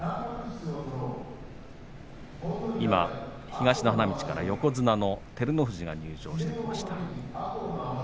東の花道から横綱の照ノ富士が入場してきました。